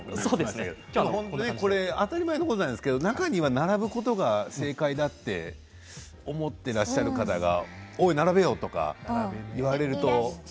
当たり前のことなんだけど中には、並ぶことが正解だと思ってらっしゃる方は並べよって言われるとね。